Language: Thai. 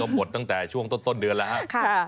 หมดตั้งแต่ช่วงต้นเดือนแล้วครับ